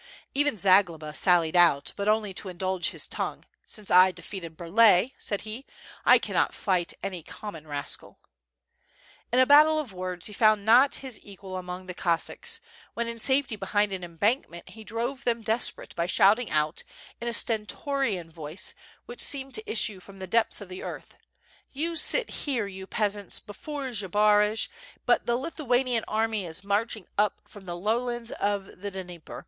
Even Zagloba sallied out, but only to indulge his tongue: "Since I defeated Burlay,'' said he, "I cannot fight any com mon rascal." In a battle of words he found not his equal among the Cossacks; when in safety behind an embankment he drove them desperate by shouting out, in a stentorian voice, which seemed to issue from the depths of the earth: "You sit here, you peasants, before Zbaraj, but the Lithu anian army is marching up from the lowlands of the Dnieper.